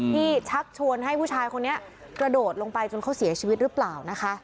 ชักชวนให้ผู้ชายคนนี้กระโดดลงไปจนเขาเสียชีวิตหรือเปล่านะคะ